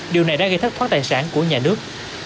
điều này đã gây thất thoát tài sản của nhà nước